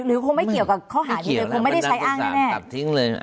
หรือคงไม่เกี่ยวกับข้อหารนี้เลยคงไม่ได้ใช้อ้างนี้แน่